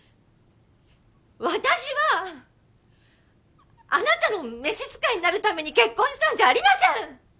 私はあなたの召使いになるために結婚したんじゃありません！